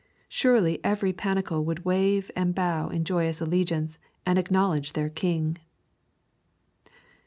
Surely every panicle would wave and bow in joyous allegiance and acknowledge their king.